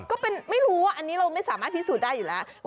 ก็เป็นไม่รู้ว่าอันนี้เราไม่สามารถพิสูจน์ได้อยู่แล้ว